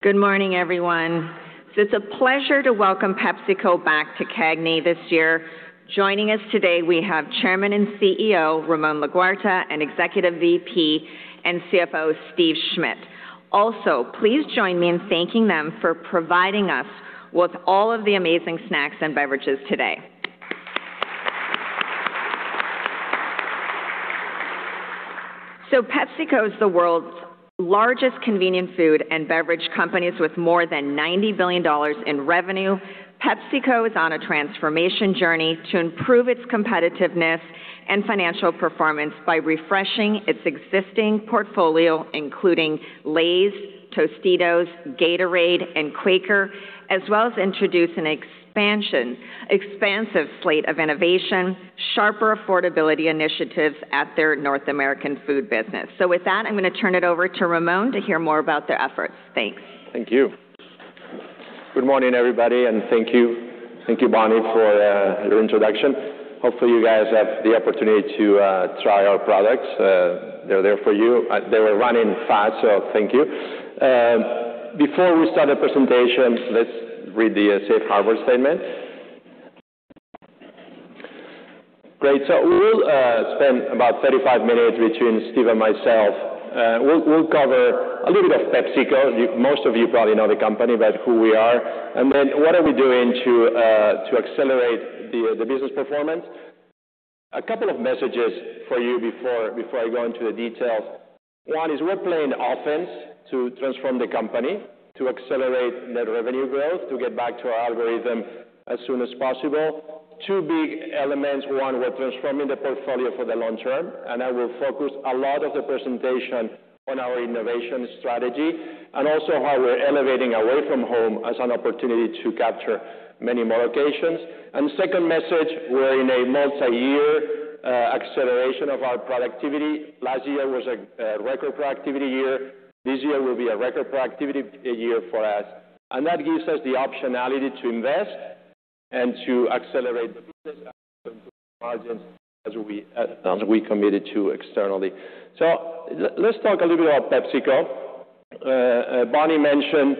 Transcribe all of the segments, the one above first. Good morning, everyone. It's a pleasure to welcome PepsiCo back to CAGNY this year. Joining us today, we have Chairman and CEO, Ramon Laguarta, and Executive VP and CFO, Steve Schmitt. Also, please join me in thanking them for providing us with all of the amazing snacks and beverages today. So PepsiCo is the world's largest convenience food and beverage companies, with more than $90 billion in revenue. PepsiCo is on a transformation journey to improve its competitiveness and financial performance by refreshing its existing portfolio, including Lay's, Tostitos, Gatorade, and Quaker, as well as introduce an expansive slate of innovation, sharper affordability initiatives at their North American food business. So with that, I'm going to turn it over to Ramon to hear more about their efforts. Thanks. Thank you. Good morning, everybody, and thank you. Thank you, Bonnie, for your introduction. Hopefully, you guys have the opportunity to try our products. They're there for you. They were running fast, so thank you. Before we start the presentation, let's read the safe harbor statement. Great. So we will spend about 35 minutes between Steve and myself. We'll cover a little bit of PepsiCo. Most of you probably know the company, but who we are, and then what are we doing to accelerate the business performance? A couple of messages for you before I go into the details. One is we're playing offense to transform the company, to accelerate net revenue growth, to get back to our algorithm as soon as possible. Two big elements, one, we're transforming the portfolio for the long term, and I will focus a lot of the presentation on our innovation strategy and also how we're elevating away from home as an opportunity to capture many more locations. Second message, we're in a multi-year acceleration of our productivity. Last year was a record productivity year. This year will be a record productivity year for us, and that gives us the optionality to invest and to accelerate the business margins as we committed to externally. So let's talk a little bit about PepsiCo. Bonnie mentioned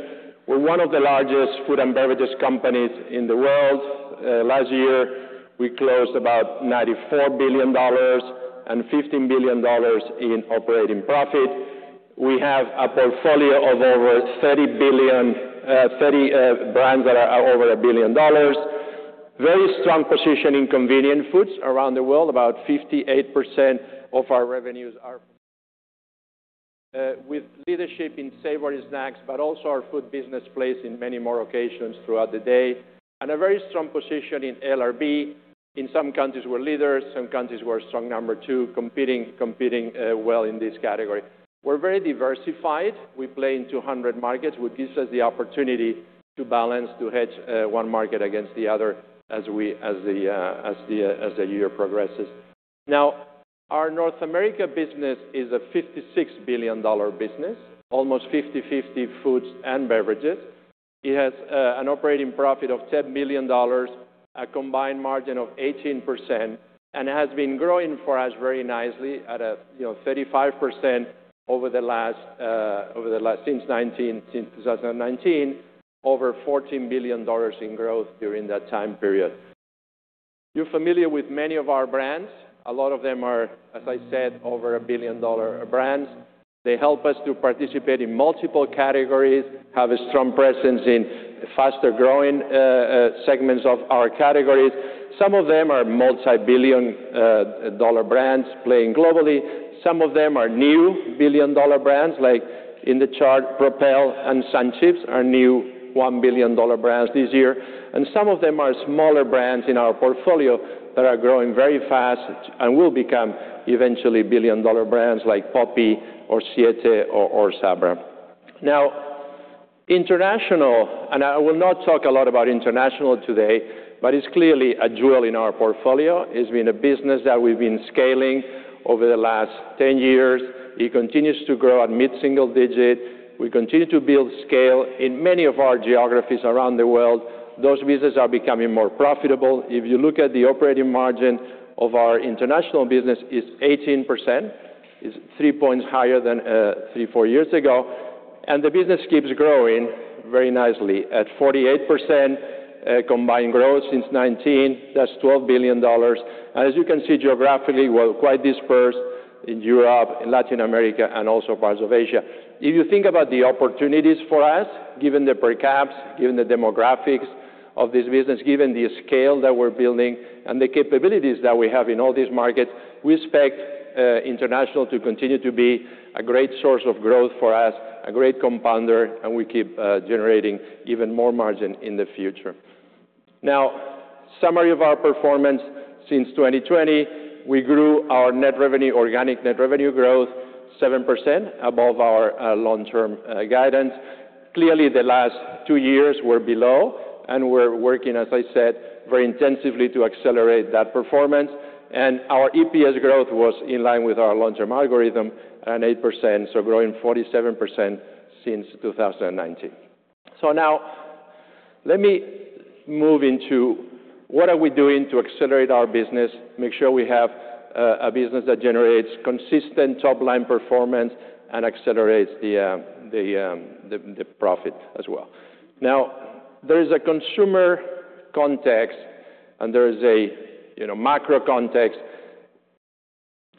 we're one of the largest food and beverages companies in the world. Last year, we closed about $94 billion and $15 billion in operating profit. We have a portfolio of over 30 brands that are over $1 billion. Very strong position in convenient foods around the world. About 58% of our revenues are with leadership in savory snacks, but also our food business plays in many more occasions throughout the day, and a very strong position in LRB. In some countries, we're leaders, some countries we're strong number two, competing well in this category. We're very diversified. We play in 200 markets, which gives us the opportunity to balance, to hedge one market against the other as the year progresses. Now, our North America business is a $56 billion business, almost 50/50 foods and beverages. It has an operating profit of $10 billion, a combined margin of 18%, and has been growing for us very nicely at a, you know, 35% over the last... Since 2019, over $14 billion in growth during that time period. You're familiar with many of our brands. A lot of them are, as I said, over $1 billion brands. They help us to participate in multiple categories, have a strong presence in faster-growing segments of our categories. Some of them are multi-billion dollar brands playing globally. Some of them are new $1 billion brands, like in the chart, Propel and SunChips are new $1 billion brands this year. And some of them are smaller brands in our portfolio that are growing very fast and will become eventually $1 billion brands like Poppi or Siete or Sabra. Now, international, and I will not talk a lot about international today, but it's clearly a jewel in our portfolio. It's been a business that we've been scaling over the last 10 years. It continues to grow at mid-single-digit. We continue to build scale in many of our geographies around the world. Those businesses are becoming more profitable. If you look at the operating margin of our international business, it's 18%. It's 3 points higher than three, four years ago, and the business keeps growing very nicely at 48%, combined growth since 2019. That's $12 billion. As you can see, geographically, we're quite dispersed in Europe, in Latin America, and also parts of Asia. If you think about the opportunities for us, given the per caps, given the demographics of this business, given the scale that we're building and the capabilities that we have in all these markets, we expect international to continue to be a great source of growth for us, a great compounder, and we keep generating even more margin in the future. Now, summary of our performance since 2020, we grew our net revenue, organic net revenue growth, 7% above our long-term guidance. Clearly, the last two years were below, and we're working, as I said, very intensively to accelerate that performance. And our EPS growth was in line with our long-term algorithm at 8%, so growing 47% since 2019. So now—Let me move into what we are doing to accelerate our business, make sure we have a business that generates consistent top-line performance and accelerates the profit as well. Now, there is a consumer context, and there is a, you know, macro context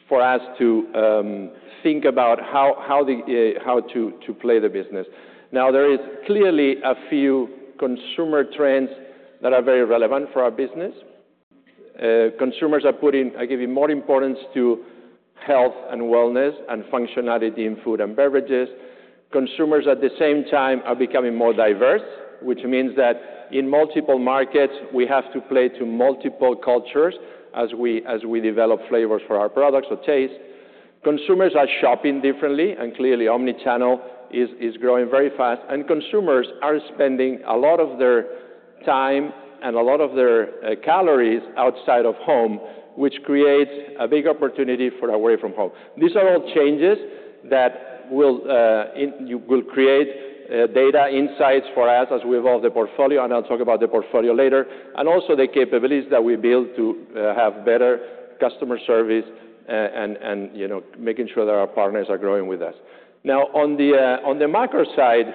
for us to think about how to play the business. Now, there is clearly a few consumer trends that are very relevant for our business. Consumers are putting, are giving more importance to health and wellness and functionality in food and beverages. Consumers, at the same time, are becoming more diverse, which means that in multiple markets, we have to play to multiple cultures as we, as we develop flavors for our products or taste. Consumers are shopping differently, and clearly, Omni-channel is, is growing very fast, and consumers are spending a lot of their time and a lot of their calories outside of home, which creates a big opportunity for Away from home. These are all changes that will create data insights for us as we evolve the portfolio, and I'll talk about the portfolio later, and also the capabilities that we build to have better customer service, and, and, you know, making sure that our partners are growing with us. Now, on the macro side,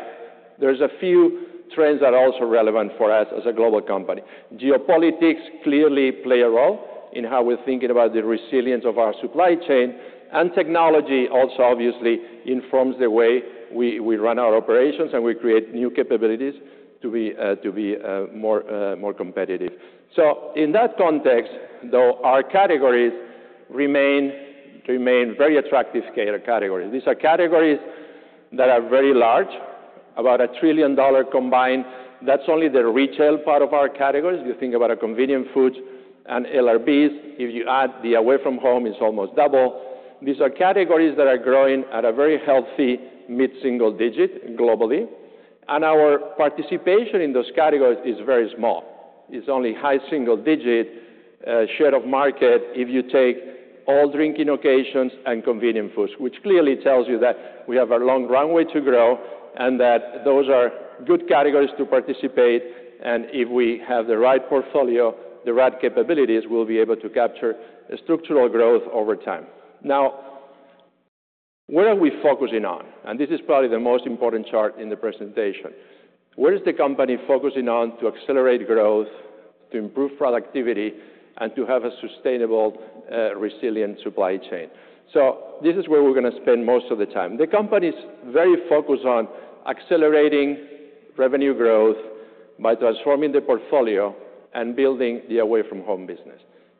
there's a few trends that are also relevant for us as a global company. Geopolitics clearly play a role in how we're thinking about the resilience of our supply chain, and technology also obviously informs the way we run our operations, and we create new capabilities to be more competitive. So in that context, though, our categories remain very attractive categories. These are categories that are very large, about a $1 trillion combined. That's only the retail part of our categories. If you think about convenient food and LRBs, if you add the away from home, it's almost double. These are categories that are growing at a very healthy mid-single digit globally, and our participation in those categories is very small. It's only high single digit share of market if you take all drinking occasions and convenient foods, which clearly tells you that we have a long runway to grow and that those are good categories to participate, and if we have the right portfolio, the right capabilities, we'll be able to capture structural growth over time. Now, where are we focusing on? This is probably the most important chart in the presentation. Where is the company focusing on to accelerate growth, to improve productivity, and to have a sustainable, resilient supply chain? So this is where we're gonna spend most of the time. The company's very focused on accelerating revenue growth by transforming the portfolio and building the away from home business.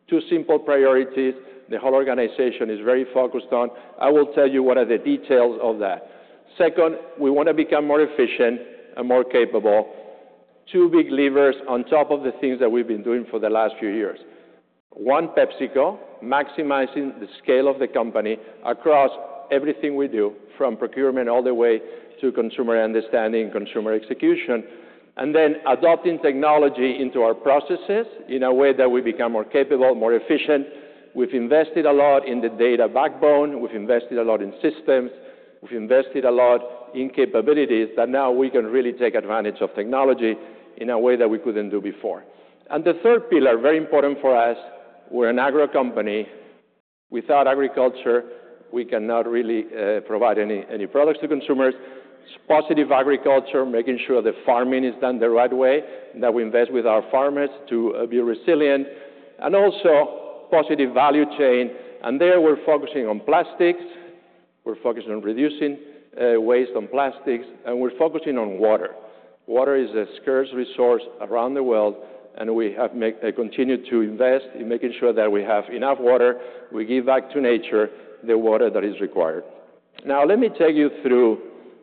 Two simple priorities, the whole organization is very focused on. I will tell you what are the details of that. Second, we want to become more efficient and more capable. Two big levers on top of the things that we've been doing for the last few years. One PepsiCo, maximizing the scale of the company across everything we do, from procurement all the way to consumer understanding, consumer execution, and then adopting technology into our processes in a way that we become more capable, more efficient. We've invested a lot in the data backbone, we've invested a lot in systems, we've invested a lot in capabilities that now we can really take advantage of technology in a way that we couldn't do before. And the third pillar, very important for us, we're an agro company. Without agriculture, we cannot really, provide any, any products to consumers. Positive agriculture, making sure that farming is done the right way, that we invest with our farmers to be resilient, and also positive value chain. There, we're focusing on plastics, we're focusing on reducing waste on plastics, and we're focusing on water. Water is a scarce resource around the world, and we have continued to invest in making sure that we have enough water, we give back to nature the water that is required. Now, let me take you through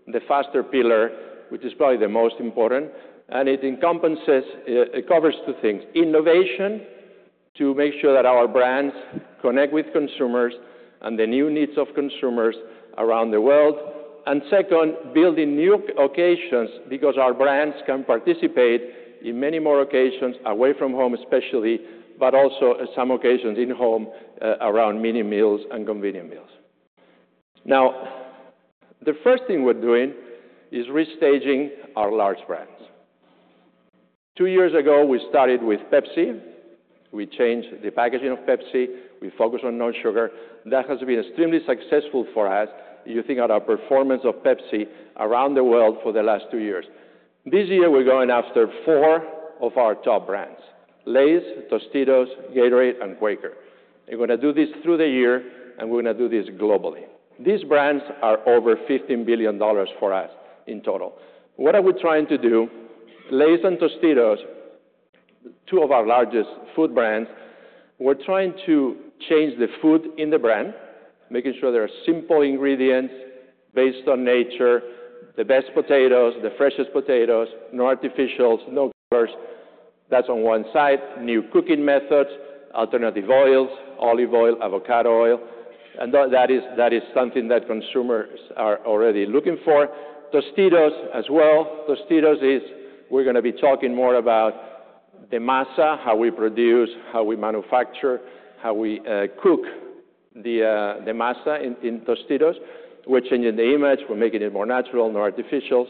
the faster pillar, which is probably the most important, and it encompasses, it covers two things: innovation, to make sure that our brands connect with consumers and the new needs of consumers around the world. Second, building new occasions, because our brands can participate in many more occasions away from home, especially, but also in some occasions in home, around mini meals and convenient meals. Now, the first thing we're doing is restaging our large brands. Two years ago, we started with Pepsi. We changed the packaging of Pepsi. We focused on non-sugar. That has been extremely successful for us, you think about our performance of Pepsi around the world for the last two years. This year, we're going after four of our top brands: Lay's, Tostitos, Gatorade, and Quaker. We're gonna do this through the year, and we're gonna do this globally. These brands are over $15 billion for us in total. What are we trying to do? Lay's and Tostitos, two of our largest food brands, we're trying to change the food in the brand, making sure there are simple ingredients based on nature, the best potatoes, the freshest potatoes, no artificials, no colors. That's on one side. New cooking methods, alternative oils, olive oil, avocado oil, and that is something that consumers are already looking for. Tostitos as well. Tostitos is. We're gonna be talking more about the masa, how we produce, how we manufacture, how we cook the masa in Tostitos. We're changing the image. We're making it more natural, no artificials.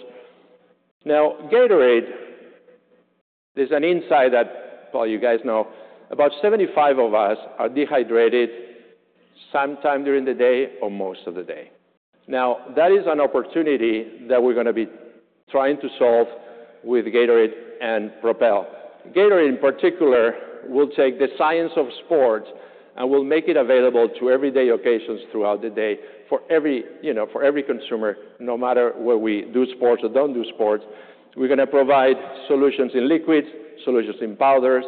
Now, Gatorade, there's an insight that well, you guys know. About 75 of us are dehydrated sometime during the day or most of the day. Now, that is an opportunity that we're gonna be trying to solve with Gatorade and Propel. Gatorade, in particular, will take the science of sport, and we'll make it available to everyday occasions throughout the day for every, you know, for every consumer, no matter whether we do sports or don't do sports. We're gonna provide solutions in liquids, solutions in powders,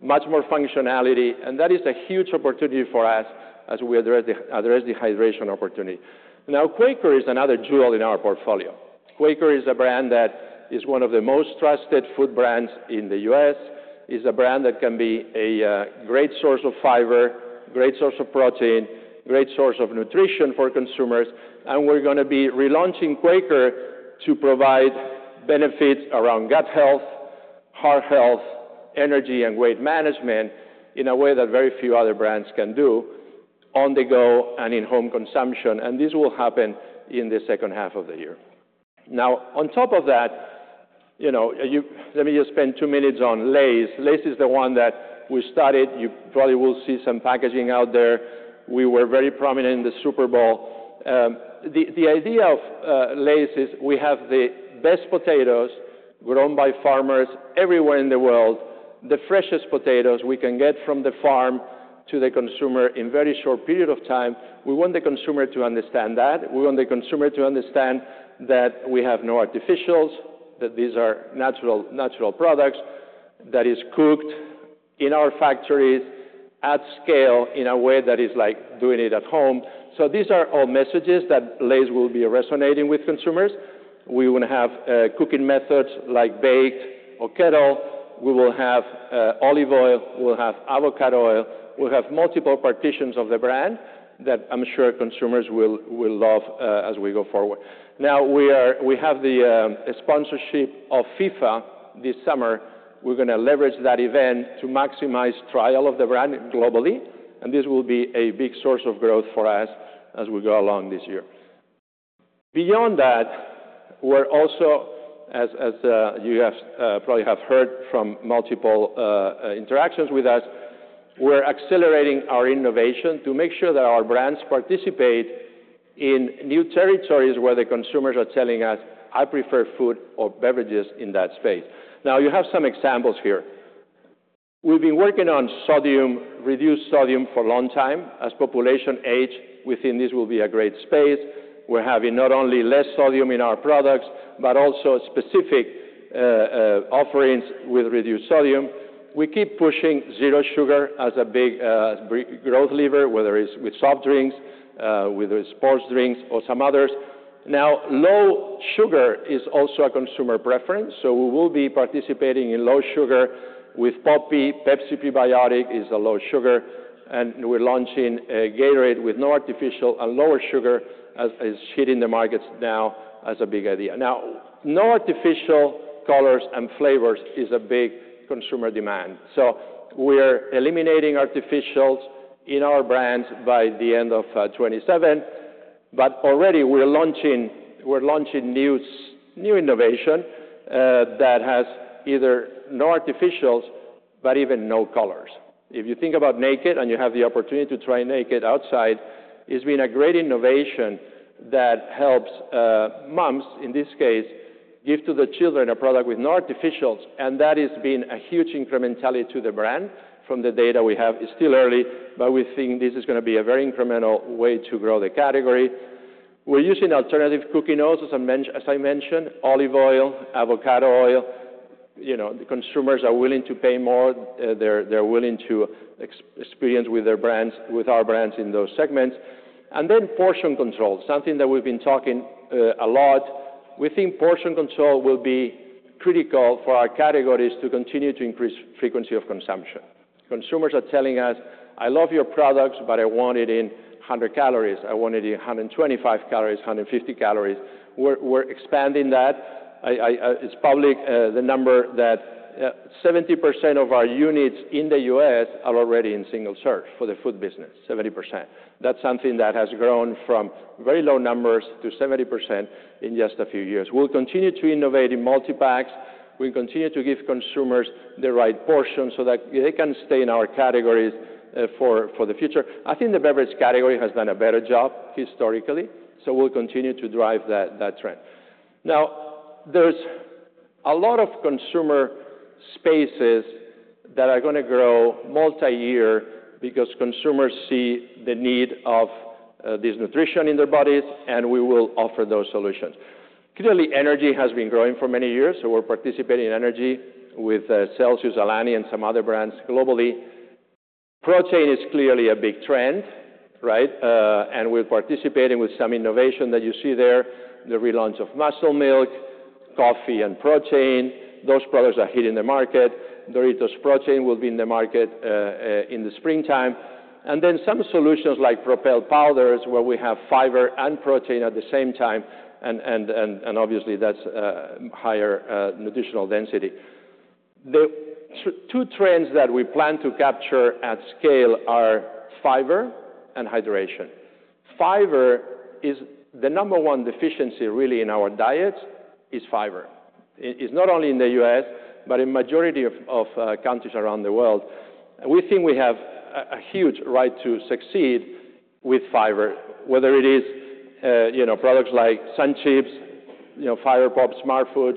much more functionality, and that is a huge opportunity for us as we address the, address the hydration opportunity. Now, Quaker is another jewel in our portfolio. Quaker is a brand that is one of the most trusted food brands in the U.S. It's a brand that can be a great source of fiber, great source of protein, great source of nutrition for consumers, and we're gonna be relaunching Quaker to provide benefits around gut health, heart health, energy, and weight management in a way that very few other brands can do on-the-go and in-home consumption, and this will happen in the second half of the year. Now, on top of that, you know, Let me just spend two minutes on Lay's. Lay's is the one that we started. You probably will see some packaging out there. We were very prominent in the Super Bowl. The idea of Lay's is we have the best potatoes grown by farmers everywhere in the world, the freshest potatoes we can get from the farm to the consumer in very short period of time. We want the consumer to understand that. We want the consumer to understand that we have no artificials, that these are natural, natural products that is cooked in our factories at scale in a way that is like doing it at home. So these are all messages that Lay's will be resonating with consumers. We would have cooking methods like baked or kettle. We will have olive oil. We'll have avocado oil. We'll have multiple portions of the brand that I'm sure consumers will love as we go forward. Now, we have the sponsorship of FIFA this summer. We're gonna leverage that event to maximize trial of the brand globally, and this will be a big source of growth for us as we go along this year. Beyond that, we're also, you probably have heard from multiple interactions with us, we're accelerating our innovation to make sure that our brands participate in new territories where the consumers are telling us, "I prefer food or beverages in that space." Now, you have some examples here. We've been working on sodium, reduced sodium for a long time. As population age, we think this will be a great space. We're having not only less sodium in our products, but also specific offerings with reduced sodium. We keep pushing zero sugar as a big growth lever, whether it's with soft drinks, whether it's sports drinks or some others. Now, low sugar is also a consumer preference, so we will be participating in low sugar with Poppi. Pepsi Prebiotic is a low sugar, and we're launching a Gatorade with no artificial and lower sugar as is hitting the markets now as a big idea. Now, no artificial colors and flavors is a big consumer demand, so we're eliminating artificials in our brands by the end of 2027. But already, we're launching, we're launching new innovation that has either no artificials, but even no colors. If you think about Naked, and you have the opportunity to try Naked outside, it's been a great innovation that helps moms, in this case, give to the children a product with no artificials, and that has been a huge incrementality to the brand from the data we have. It's still early, but we think this is gonna be a very incremental way to grow the category. We're using alternative cooking oils, as I mentioned, olive oil, avocado oil. You know, the consumers are willing to pay more. They're willing to experience with our brands in those segments. And then portion control, something that we've been talking a lot. We think portion control will be critical for our categories to continue to increase frequency of consumption. Consumers are telling us, "I love your products, but I want it in 100 calories. I want it in 125 calories, 150 calories." We're expanding that. It's public, the number that 70% of our units in the U.S. are already in single serve for the food business, 70%. That's something that has grown from very low numbers to 70% in just a few years. We'll continue to innovate in multipacks. We'll continue to give consumers the right portion so that they can stay in our categories, for, for the future. I think the beverage category has done a better job historically, so we'll continue to drive that, that trend. Now, there's a lot of consumer spaces that are gonna grow multiyear because consumers see the need of this nutrition in their bodies, and we will offer those solutions. Clearly, energy has been growing for many years, so we're participating in energy with CELSIUS, Alani, and some other brands globally. Protein is clearly a big trend, right? And we're participating with some innovation that you see there, the relaunch of MUSCLE MILK, coffee and protein. Those products are hitting the market. Doritos protein will be in the market in the springtime. And then some solutions like Propel powders, where we have fiber and protein at the same time, and obviously, that's higher nutritional density. The two trends that we plan to capture at scale are fiber and hydration. Fiber is the number one deficiency really in our diets, is fiber. It’s not only in the U.S., but in majority of countries around the world. We think we have a huge right to succeed with fiber, whether it is, you know, products like SunChips, you know, Fiber Pops, SmartFood,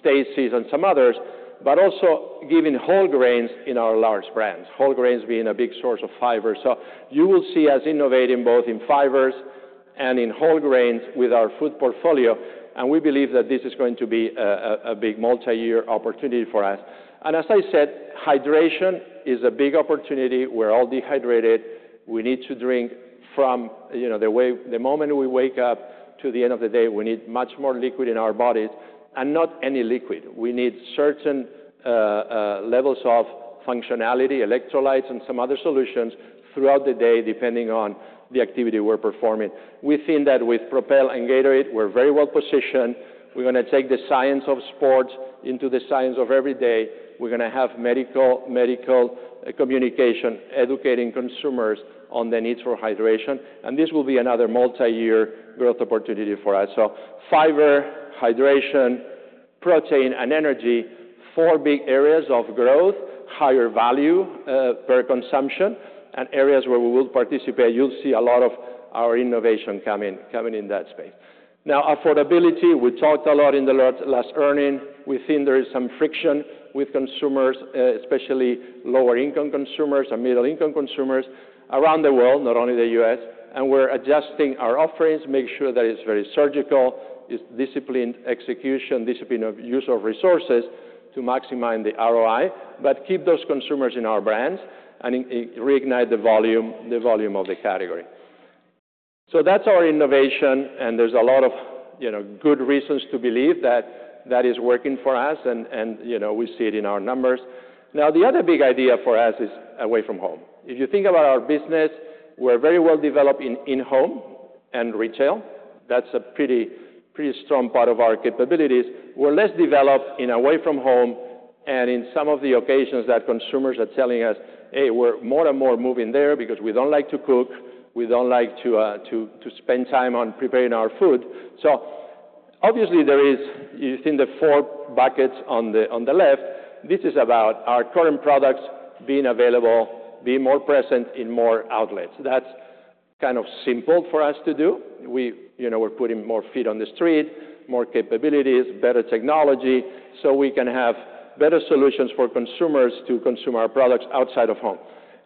Stacy's, and some others, but also giving whole grains in our large brands, whole grains being a big source of fiber. So you will see us innovating both in fibers and in whole grains with our food portfolio, and we believe that this is going to be a big multi-year opportunity for us. And as I said, hydration is a big opportunity. We're all dehydrated. We need to drink from, you know, the moment we wake up to the end of the day, we need much more liquid in our bodies, and not any liquid. We need certain levels of functionality, electrolytes, and some other solutions throughout the day, depending on the activity we're performing. We've seen that with Propel and Gatorade, we're very well positioned. We're gonna take the science of sports into the science of every day. We're gonna have medical communication, educating consumers on the need for hydration, and this will be another multi-year growth opportunity for us. So fiber, hydration, protein, and energy, four big areas of growth, higher value per consumption, and areas where we will participate. You'll see a lot of our innovation coming in that space. Now, affordability, we talked a lot in the last earning. We think there is some friction with consumers, especially lower-income consumers and middle-income consumers around the world, not only the U.S., and we're adjusting our offerings, make sure that it's very surgical, it's disciplined execution, discipline of use of resources to maximize the ROI, but keep those consumers in our brands and reignite the volume, the volume of the category. So that's our innovation, and there's a lot of, you know, good reasons to believe that that is working for us, and, you know, we see it in our numbers. Now, the other big idea for us is away from home. If you think about our business, we're very well developed in in-home and retail. That's a pretty, pretty strong part of our capabilities. We're less developed in away from home and in some of the occasions that consumers are telling us, "Hey, we're more and more moving there because we don't like to cook. We don't like to spend time on preparing our food." So obviously, there is. You think the four buckets on the left, this is about our current products being available, being more present in more outlets. That's kind of simple for us to do. We, you know, we're putting more feet on the street, more capabilities, better technology, so we can have better solutions for consumers to consume our products outside of home.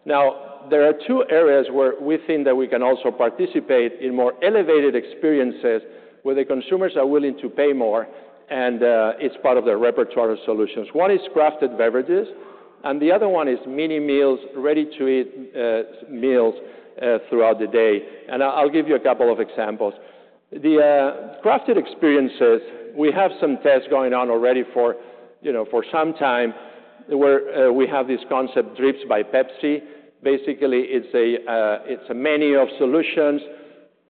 Now, there are two areas where we think that we can also participate in more elevated experiences where the consumers are willing to pay more, and it's part of their repertoire of solutions. One is crafted beverages, and the other one is mini-meals, ready-to-eat meals throughout the day. And I'll give you a couple of examples. The crafted experiences, we have some tests going on already for, you know, for some time, where we have this concept, DRIPS by Pepsi. Basically, it's a, it's a menu of solutions,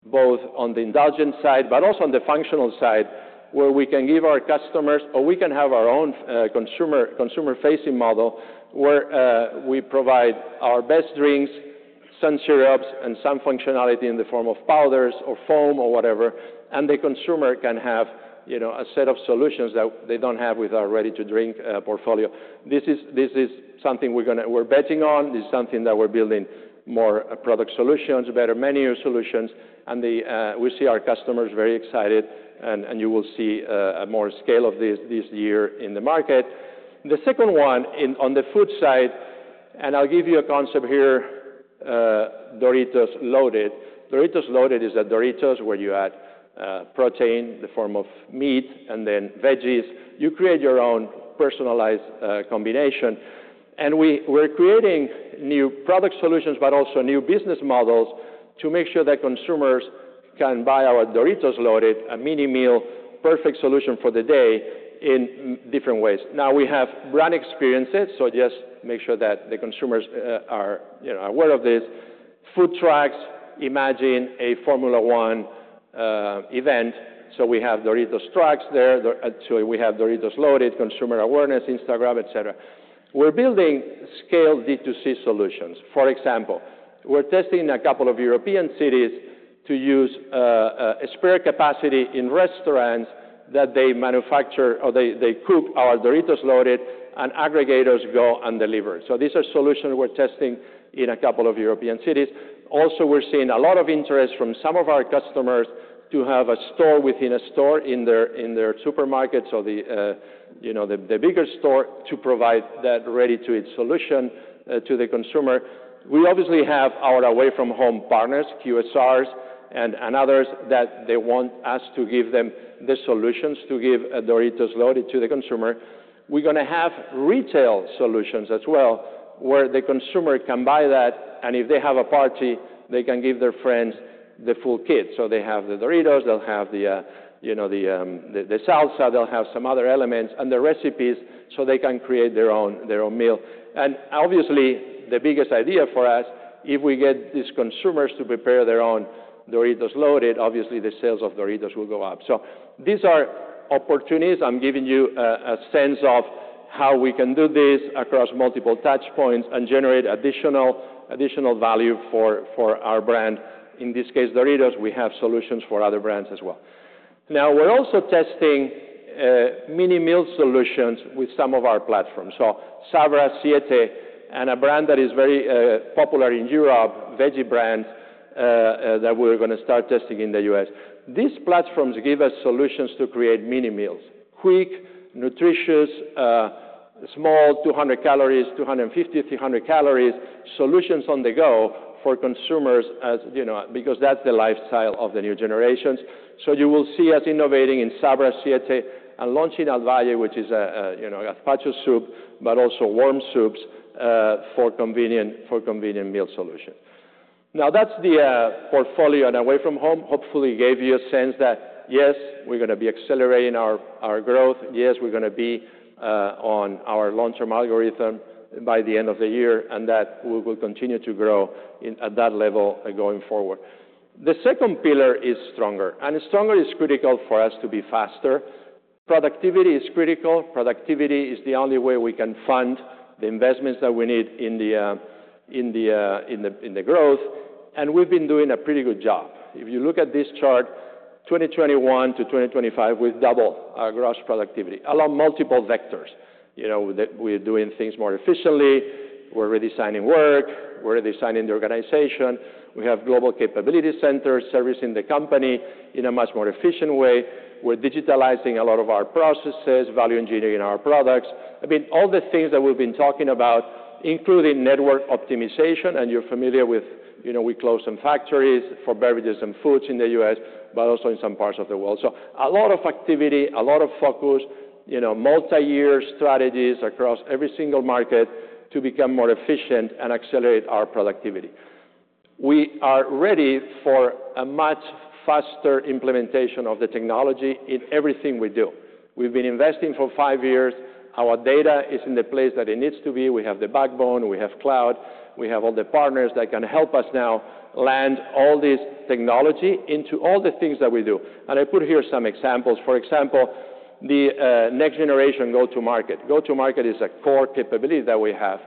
both on the indulgent side, but also on the functional side, where we can give our customers, or we can have our own, consumer, consumer-facing model, where, we provide our best drinks, some syrups, and some functionality in the form of powders or foam or whatever, and the consumer can have, you know, a set of solutions that they don't have with our ready-to-drink, portfolio. This is, this is something we're gonna-- we're betting on. This is something that we're building more product solutions, better menu solutions, and the... We see our customers very excited, and, and you will see, more scale of this, this year in the market. The second one, on the food side, and I'll give you a concept here, Doritos Loaded. Doritos Loaded is a Doritos where you add, protein in the form of meat and then veggies. You create your own personalized, combination. And we're creating new product solutions, but also new business models to make sure that consumers can buy our Doritos Loaded, a mini-meal, perfect solution for the day in different ways. Now, we have brand experiences, so just make sure that the consumers, are, you know, aware of this. Food trucks, imagine a Formula One, event. So we have Doritos trucks there. Actually, we have Doritos Loaded, consumer awareness, Instagram, et cetera. We're building scale D2C solutions. For example, we're testing in a couple of European cities to use, spare capacity in restaurants that they manufacture or they cook our Doritos Loaded, and aggregators go and deliver. So these are solutions we're testing in a couple of European cities. Also, we're seeing a lot of interest from some of our customers to have a store within a store in their, in their supermarkets or the, you know, the, the bigger store to provide that ready-to-eat solution, to the consumer. We obviously have our away from home partners, QSRs and, and others, that they want us to give them the solutions to give, Doritos Loaded to the consumer.... We're gonna have retail solutions as well, where the consumer can buy that, and if they have a party, they can give their friends the full kit. So they have the Doritos, they'll have the, you know, the, the salsa, they'll have some other elements and the recipes, so they can create their own, their own meal. Obviously, the biggest idea for us, if we get these consumers to prepare their own Doritos Loaded, obviously the sales of Doritos will go up. These are opportunities. I'm giving you a, a sense of how we can do this across multiple touchpoints and generate additional, additional value for, for our brand. In this case, Doritos, we have solutions for other brands as well. Now, we're also testing mini meal solutions with some of our platforms. So Sabra, Siete, and a brand that is very, very popular in Europe, Veggie Brand, that we're gonna start testing in the U.S. These platforms give us solutions to create mini meals, quick, nutritious, small, 200 calories, 250, 300 calories, solutions on the go for consumers, as you know, because that's the lifestyle of the new generations. So you will see us innovating in Sabra, Siete, and launching Alvalle, which is a, a, you know, a gazpacho soup, but also warm soups, for convenient, for convenient meal solution. Now, that's the portfolio on away from home. Hopefully, gave you a sense that, yes, we're gonna be accelerating our, our growth; yes, we're gonna be on our long-term algorithm by the end of the year, and that we will continue to grow in- at that level going forward. The second pillar is stronger, and stronger is critical for us to be faster. Productivity is critical. Productivity is the only way we can fund the investments that we need in the, in the, in the, in the growth, and we've been doing a pretty good job. If you look at this chart, 2021 to 2025, we've doubled our gross productivity along multiple vectors. You know, that we're doing things more efficiently. We're redesigning work. We're redesigning the organization. We have global capability centers servicing the company in a much more efficient way. We're digitalizing a lot of our processes, value engineering our products. I mean, all the things that we've been talking about, including network optimization, and you're familiar with, you know, we closed some factories for beverages and foods in the U.S., but also in some parts of the world. So a lot of activity, a lot of focus, you know, multi-year strategies across every single market to become more efficient and accelerate our productivity. We are ready for a much faster implementation of the technology in everything we do. We've been investing for five years. Our data is in the place that it needs to be. We have the backbone, we have cloud, we have all the partners that can help us now land all this technology into all the things that we do. I put here some examples. For example, the next generation go-to-market. Go-to-market is a core capability that we have.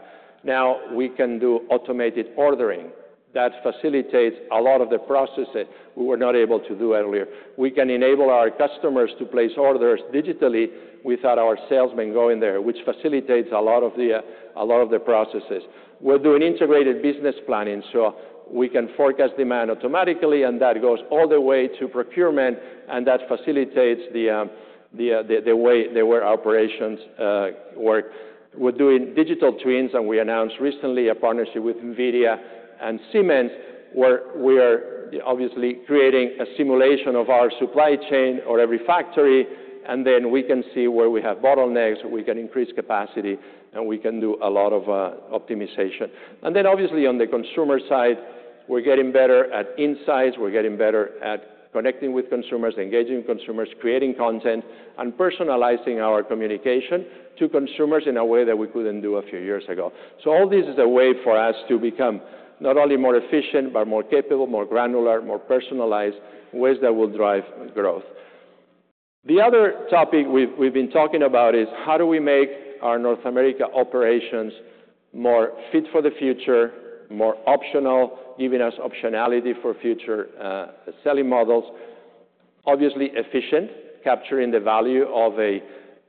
Now, we can do automated ordering. That facilitates a lot of the processes we were not able to do earlier. We can enable our customers to place orders digitally without our salesmen going there, which facilitates a lot of the processes. We're doing integrated business planning, so we can forecast demand automatically, and that goes all the way to procurement, and that facilitates the way our operations work. We're doing digital twins, and we announced recently a partnership with Nvidia and Siemens, where we are obviously creating a simulation of our supply chain or every factory, and then we can see where we have bottlenecks, we can increase capacity, and we can do a lot of optimization. And then, obviously, on the consumer side, we're getting better at insights. We're getting better at connecting with consumers, engaging consumers, creating content, and personalizing our communication to consumers in a way that we couldn't do a few years ago. So all this is a way for us to become not only more efficient, but more capable, more granular, more personalized, ways that will drive growth. The other topic we've been talking about is: how do we make our North America operations more fit for the future, more optional, giving us optionality for future selling models? Obviously efficient, capturing the value of a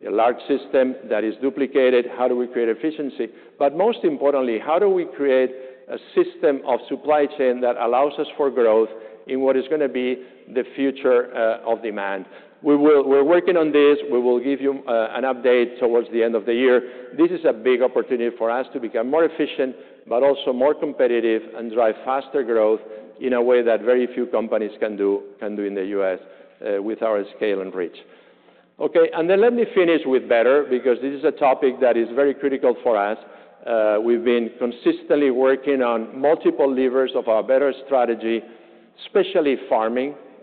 large system that is duplicated. How do we create efficiency? But most importantly, how do we create a system of supply chain that allows us for growth in what is gonna be the future of demand? We're working on this. We will give you an update towards the end of the year. This is a big opportunity for us to become more efficient, but also more competitive and drive faster growth in a way that very few companies can do in the US with our scale and reach. Okay, and then let me finish with better, because this is a topic that is very critical for us. We've been consistently working on multiple levers of our better strategy, especially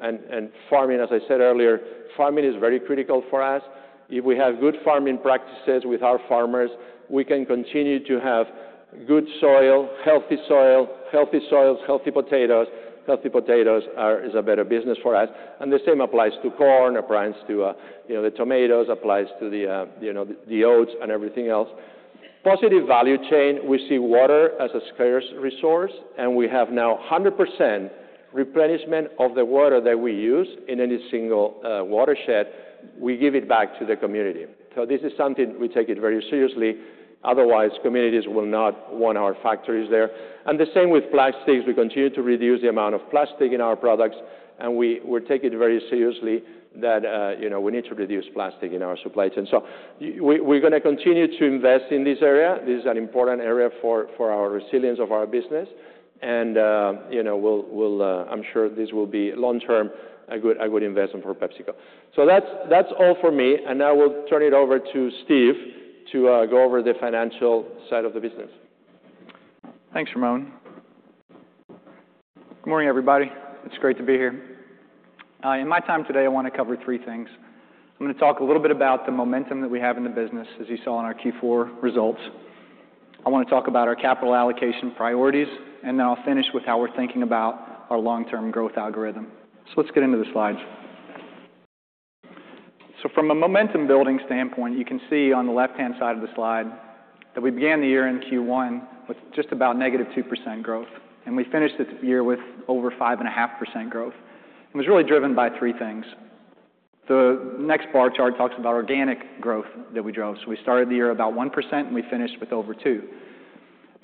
farming. And farming, as I said earlier, farming is very critical for us. If we have good farming practices with our farmers, we can continue to have good soil, healthy soil. Healthy soils, healthy potatoes. Healthy potatoes is a better business for us, and the same applies to corn, applies to, you know, the tomatoes, applies to, you know, the oats and everything else. Positive value chain, we see water as a scarce resource, and we have now 100% replenishment of the water that we use in any single watershed. We give it back to the community. So this is something we take it very seriously. Otherwise, communities will not want our factories there. And the same with plastics. We continue to reduce the amount of plastic in our products, and we take it very seriously that, you know, we need to reduce plastic in our supply chain. So we're gonna continue to invest in this area. This is an important area for our resilience of our business, and, you know, we'll... I'm sure this will be long-term, a good investment for PepsiCo. So that's all for me, and now we'll turn it over to Steve to go over the financial side of the business. Thanks, Ramon. Good morning, everybody. It's great to be here. In my time today, I want to cover three things. I'm going to talk a little bit about the momentum that we have in the business, as you saw in our Q4 results. I want to talk about our capital allocation priorities, and then I'll finish with how we're thinking about our long-term growth algorithm. So let's get into the slides. So from a momentum building standpoint, you can see on the left-hand side of the slide that we began the year in Q1 with just about -2% growth, and we finished the year with over 5.5% growth. It was really driven by three things. The next bar chart talks about organic growth that we drove. So we started the year about 1%, and we finished with over 2%.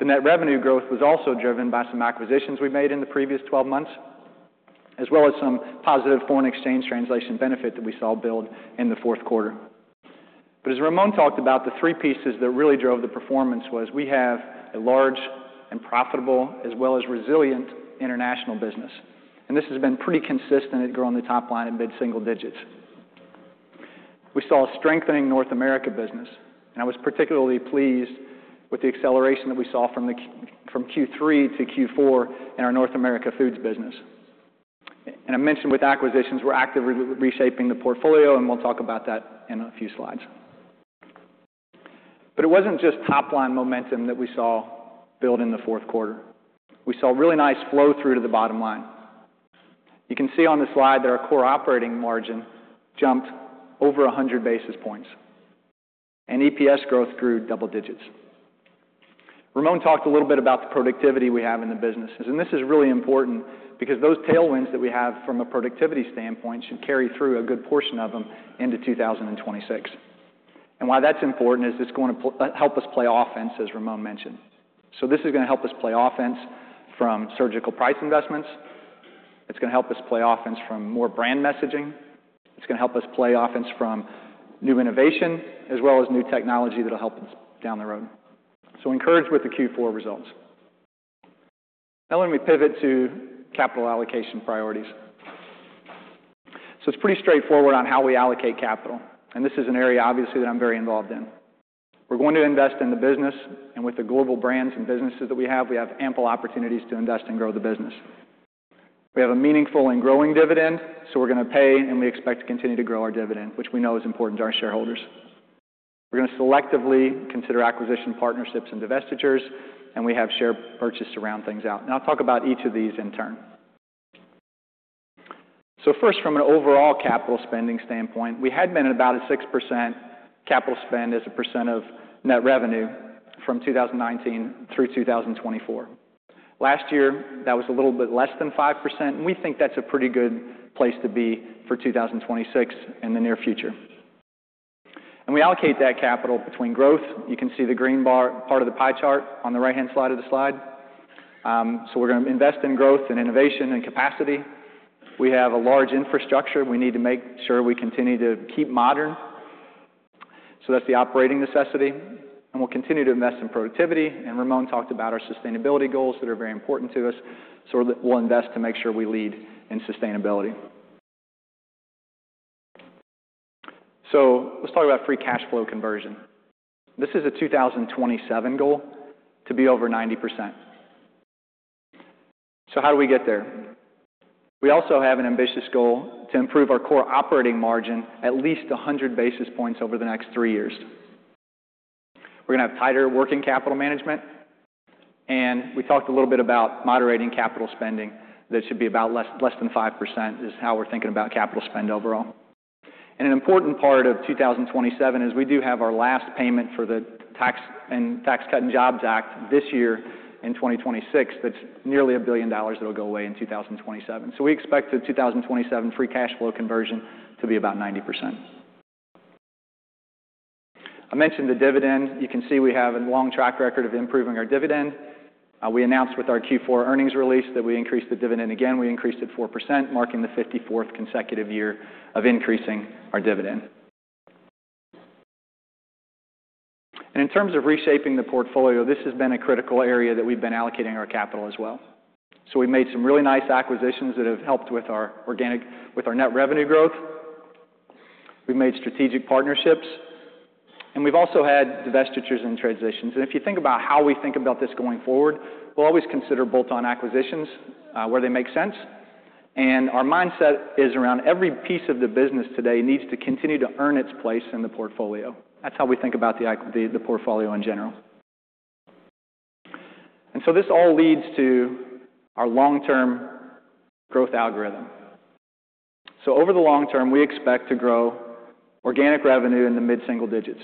The net revenue growth was also driven by some acquisitions we made in the previous 12 months, as well as some positive foreign exchange translation benefit that we saw build in the fourth quarter. But as Ramon talked about, the three pieces that really drove the performance was we have a large and profitable, as well as resilient international business, and this has been pretty consistent at growing the top line in mid-single digits. We saw a strengthening North America business, and I was particularly pleased with the acceleration that we saw from Q3 to Q4 in our North America Foods business. And I mentioned with acquisitions, we're actively reshaping the portfolio, and we'll talk about that in a few slides. But it wasn't just top-line momentum that we saw build in the fourth quarter. We saw really nice flow-through to the bottom line. You can see on the slide that our core operating margin jumped over 100 basis points, and EPS growth grew double digits. Ramon talked a little bit about the productivity we have in the businesses, and this is really important because those tailwinds that we have from a productivity standpoint should carry through a good portion of them into 2026. And why that's important is it's going to help us play offense, as Ramon mentioned. So this is going to help us play offense from surgical price investments. It's going to help us play offense from more brand messaging. It's going to help us play offense from new innovation as well as new technology that'll help us down the road. So we're encouraged with the Q4 results. Now, let me pivot to capital allocation priorities. So it's pretty straightforward on how we allocate capital, and this is an area, obviously, that I'm very involved in. We're going to invest in the business, and with the global brands and businesses that we have, we have ample opportunities to invest and grow the business. We have a meaningful and growing dividend, so we're going to pay, and we expect to continue to grow our dividend, which we know is important to our shareholders. We're going to selectively consider acquisition partnerships and divestitures, and we have share purchase to round things out, and I'll talk about each of these in turn. So first, from an overall capital spending standpoint, we had been at about a 6% capital spend as a % of net revenue from 2019 through 2024. Last year, that was a little bit less than 5%, and we think that's a pretty good place to be for 2026 and the near future. We allocate that capital between growth. You can see the green bar, part of the pie chart on the right-hand side of the slide. So we're going to invest in growth and innovation and capacity. We have a large infrastructure, and we need to make sure we continue to keep modern. So that's the operating necessity, and we'll continue to invest in productivity. And Ramon talked about our sustainability goals that are very important to us, so we'll, we'll invest to make sure we lead in sustainability. So let's talk about free cash flow conversion. This is a 2027 goal to be over 90%. So how do we get there? We also have an ambitious goal to improve our core operating margin at least 100 basis points over the next three years. We're going to have tighter working capital management, and we talked a little bit about moderating capital spending. That should be about less than 5% is how we're thinking about capital spend overall. And an important part of 2027 is we do have our last payment for the Tax Cuts and Jobs Act this year in 2026. That's nearly $1 billion that'll go away in 2027. So we expect the 2027 free cash flow conversion to be about 90%. I mentioned the dividend. You can see we have a long track record of improving our dividend. We announced with our Q4 earnings release that we increased the dividend again. We increased it 4%, marking the 54th consecutive year of increasing our dividend. In terms of reshaping the portfolio, this has been a critical area that we've been allocating our capital as well. So we've made some really nice acquisitions that have helped with our organic... with our net revenue growth. We've made strategic partnerships, and we've also had divestitures and transitions. And if you think about how we think about this going forward, we'll always consider bolt-on acquisitions where they make sense. And our mindset is around every piece of the business today needs to continue to earn its place in the portfolio. That's how we think about the portfolio in general. And so this all leads to our long-term growth algorithm. So over the long term, we expect to grow organic revenue in the mid-single digits.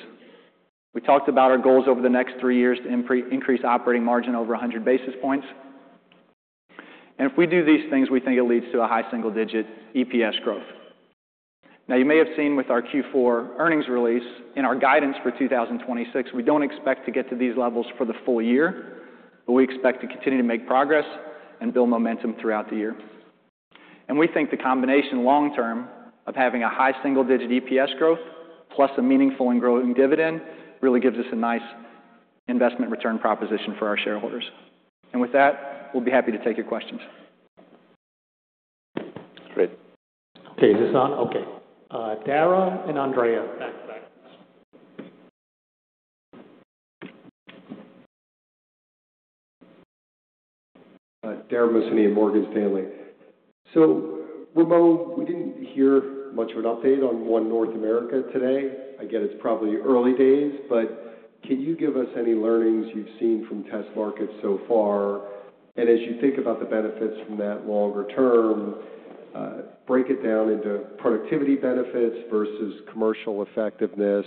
We talked about our goals over the next three years to increase operating margin over 100 basis points. And if we do these things, we think it leads to a high single-digit EPS growth. Now, you may have seen with our Q4 earnings release, in our guidance for 2026, we don't expect to get to these levels for the full year, but we expect to continue to make progress and build momentum throughout the year. And we think the combination long term of having a high single-digit EPS growth, plus a meaningful and growing dividend, really gives us a nice investment return proposition for our shareholders. And with that, we'll be happy to take your questions. Great. Okay, is this on? Okay. Dara and Andrea. Dara Mohsenian of Morgan Stanley. So Ramon, we didn't hear much of an update on One North America today. I get it's probably early days, but can you give us any learnings you've seen from test markets so far? And as you think about the benefits from that longer term, break it down into productivity benefits versus commercial effectiveness.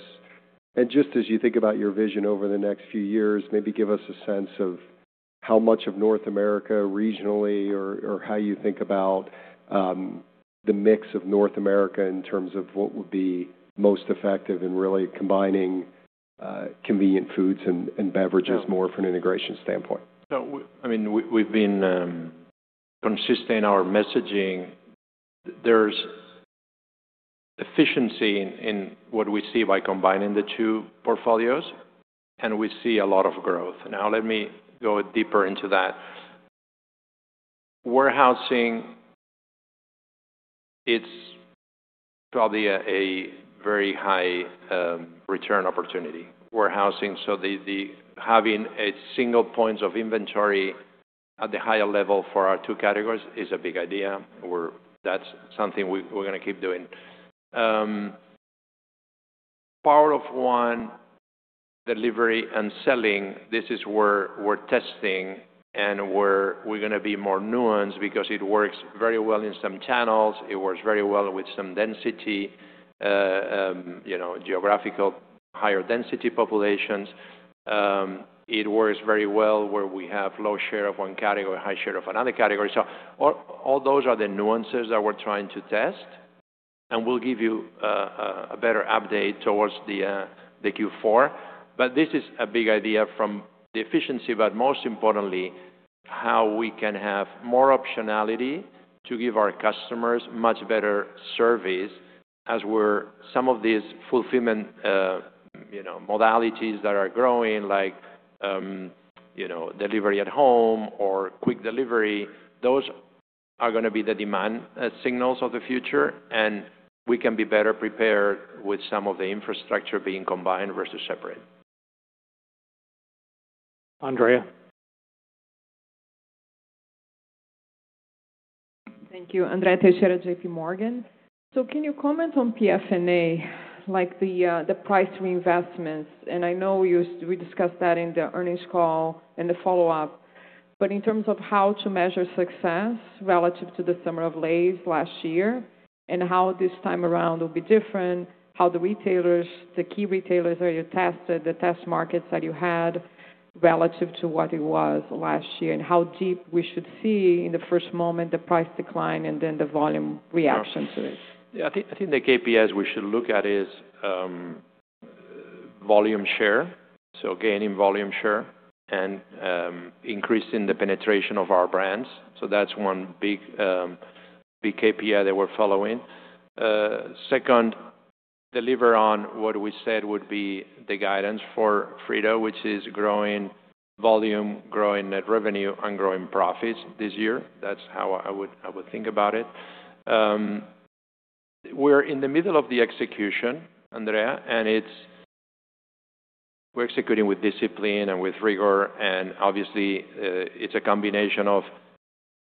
And just as you think about your vision over the next few years, maybe give us a sense of how much of North America regionally or, or how you think about the mix of North America in terms of what would be most effective in really combining convenient foods and beverages more from an integration standpoint. So, I mean, we've been consistent in our messaging. There's efficiency in what we see by combining the two portfolios, and we see a lot of growth. Now, let me go deeper into that. Warehousing, it's probably a very high return opportunity. Warehousing, so the having a single points of inventory at the higher level for our two categories is a big idea, or that's something we're gonna keep doing. Power of one, delivery, and selling, this is where we're testing and where we're gonna be more nuanced because it works very well in some channels, it works very well with some density, you know, geographical, higher density populations. It works very well where we have low share of one category, high share of another category. So all, all those are the nuances that we're trying to test, and we'll give you a better update towards the Q4. But this is a big idea from the efficiency, but most importantly, how we can have more optionality to give our customers much better service as we're some of these fulfillment, you know, modalities that are growing, like, you know, delivery at home or quick delivery, those are gonna be the demand signals of the future, and we can be better prepared with some of the infrastructure being combined versus separate. Andrea? Thank you. Andrea Teixeira, JPMorgan. So can you comment on PFNA, like the price reinvestments? And I know we discussed that in the earnings call and the follow-up, but in terms of how to measure success relative to the summer of Lay's last year, and how this time around will be different, how the retailers, the key retailers, are you tested, the test markets that you had relative to what it was last year, and how deep we should see in the first moment, the price decline and then the volume reaction to it? Yeah, I think the KPIs we should look at is, I think, volume share, so gain in volume share and increase in the penetration of our brands. So that's one big, big KPI that we're following. Second, deliver on what we said would be the guidance for Frito, which is growing volume, growing net revenue, and growing profits this year. That's how I would, I would think about it. We're in the middle of the execution, Andrea, and it's... We're executing with discipline and with rigor, and obviously, it's a combination of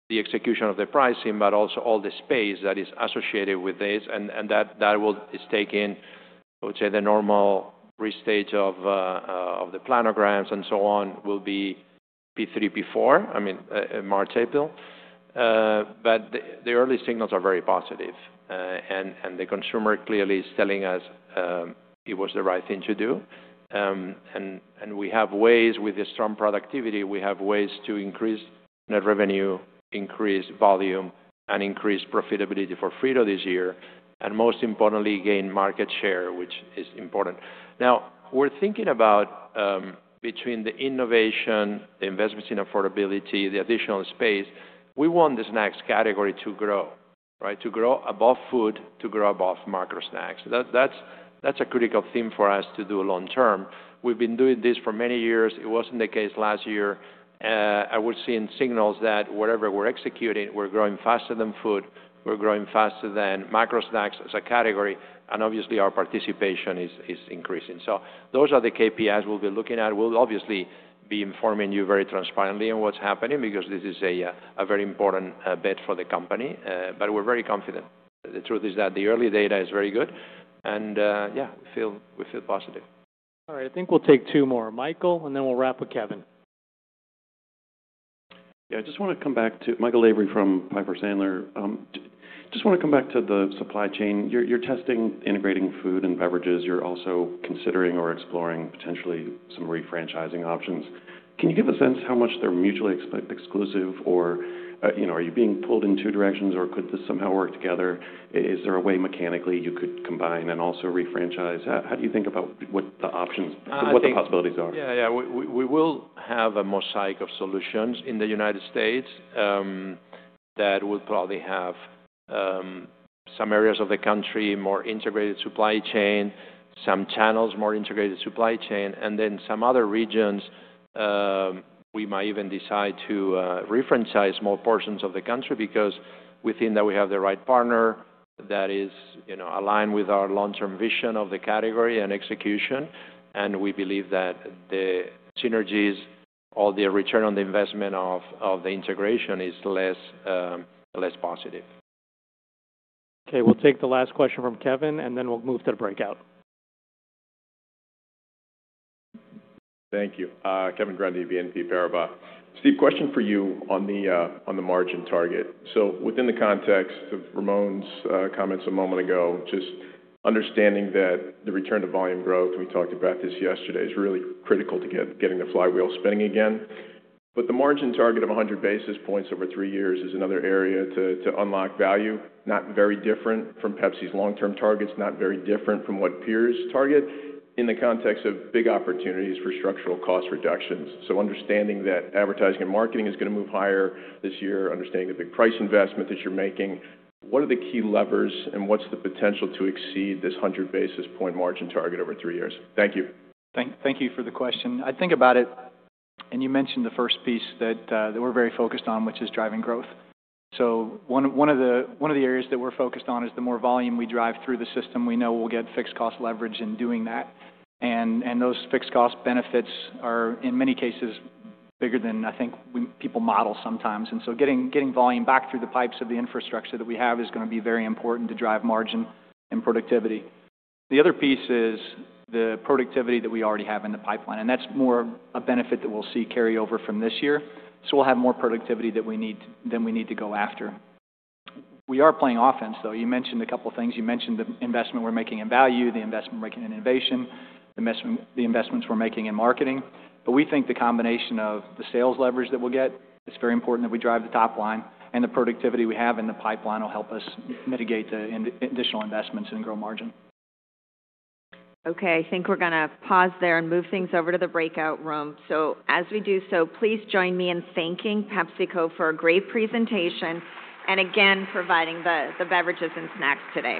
the execution of the pricing, but also all the space that is associated with this, and that is taking, I would say, the normal restage of the planograms and so on, will be P3, P4, I mean, March, April. But the early signals are very positive, and the consumer clearly is telling us, it was the right thing to do. And we have ways, with the strong productivity, we have ways to increase net revenue, increase volume, and increase profitability for Frito this year, and most importantly, gain market share, which is important. Now, we're thinking about, between the innovation, the investments in affordability, the additional space, we want the snacks category to grow, right? To grow above food, to grow above micro snacks. That's a critical theme for us to do long term. We've been doing this for many years. It wasn't the case last year. I was seeing signals that whatever we're executing, we're growing faster than food, we're growing faster than micro snacks as a category, and obviously, our participation is increasing. So those are the KPIs we'll be looking at. We'll obviously be informing you very transparently on what's happening because this is a, a very important, bet for the company, but we're very confident. The truth is that the early data is very good, and, yeah, we feel, we feel positive. All right. I think we'll take two more. Michael, and then we'll wrap with Kevin. Yeah, I just want to come back to, Michael Lavery from Piper Sandler. Just want to come back to the supply chain. You're testing integrating food and beverages. You're also considering or exploring potentially some refranchising options. Can you give a sense how much they're mutually exclusive, or, you know, are you being pulled in two directions, or could this somehow work together? Is there a way, mechanically, you could combine and also refranchise? How do you think about what the options- I think- What the possibilities are? Yeah, yeah. We will have a mosaic of solutions in the United States that would probably have some areas of the country more integrated supply chain, some channels more integrated supply chain, and then some other regions. We might even decide to refranchise more portions of the country because within that, we have the right partner that is, you know, aligned with our long-term vision of the category and execution, and we believe that the synergies or the return on the investment of the integration is less positive. Okay, we'll take the last question from Kevin, and then we'll move to the breakout. Thank you. Kevin Grundy, BNP Paribas. Steve, question for you on the margin target. So within the context of Ramon's comments a moment ago, just understanding that the return to volume growth, we talked about this yesterday, is really critical to getting the flywheel spinning again. But the margin target of 100 basis points over three years is another area to unlock value, not very different from Pepsi's long-term targets, not very different from what peers target in the context of big opportunities for structural cost reductions. So understanding that advertising and marketing is gonna move higher this year, understanding the big price investment that you're making, what are the key levers, and what's the potential to exceed this 100 basis point margin target over three years? Thank you. Thank you for the question. I think about it, and you mentioned the first piece that that we're very focused on, which is driving growth. So one of the areas that we're focused on is the more volume we drive through the system, we know we'll get fixed cost leverage in doing that. And those fixed cost benefits are, in many cases, bigger than I think people model sometimes. And so getting volume back through the pipes of the infrastructure that we have is gonna be very important to drive margin and productivity. The other piece is the productivity that we already have in the pipeline, and that's more a benefit that we'll see carry over from this year. So we'll have more productivity than we need to go after. We are playing offense, though. You mentioned a couple of things. You mentioned the investment we're making in value, the investment we're making in innovation, the investments we're making in marketing. But we think the combination of the sales leverage that we'll get, it's very important that we drive the top line, and the productivity we have in the pipeline will help us mitigate the additional investments and grow margin. Okay, I think we're gonna pause there and move things over to the breakout room. So as we do so, please join me in thanking PepsiCo for a great presentation, and again, providing the beverages and snacks today.